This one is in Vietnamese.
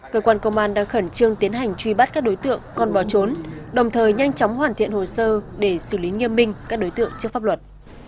cơ quan công an đang khẩn trương tiến hành truy bắt các đối tượng còn bỏ trốn đồng thời nhanh chóng hoàn thiện hồ sơ để xử lý nghiêm minh các đối tượng trước pháp luật